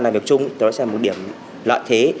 làm việc chung nó sẽ là một điểm lợi thế